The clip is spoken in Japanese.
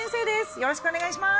よろしくお願いします